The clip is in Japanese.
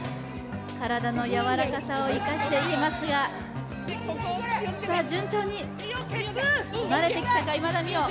体の柔らかさを生かしていきますが順調に慣れてきたか今田美桜。